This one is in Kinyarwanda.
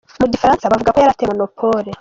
Mu gifaransa bavuga ko yari afite monopole.